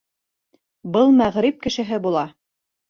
Был мәғриб кешеһе була.